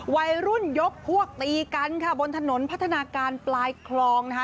วัยรุ่นยกพวกตีกันค่ะบนถนนพัฒนาการปลายคลองนะคะ